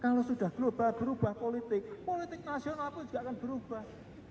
kalau sudah global berubah politik politik nasional pun juga akan berubah